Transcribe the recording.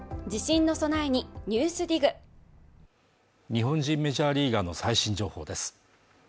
日本人メジャーリーガーの最新情報です